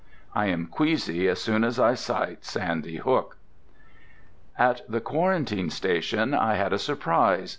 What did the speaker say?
I am queasy as soon as I sight Sandy Hook.... At the quarantine station I had a surprise.